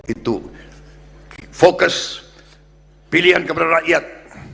itu fokus pilihan kepada rakyat